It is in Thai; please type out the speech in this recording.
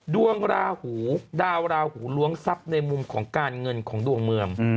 ราหูดาวราหูล้วงทรัพย์ในมุมของการเงินของดวงเมือง